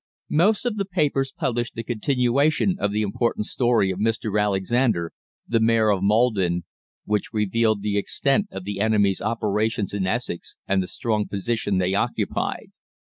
Most of the papers published the continuation of the important story of Mr. Alexander, the Mayor of Maldon, which revealed the extent of the enemy's operations in Essex and the strong position they occupied.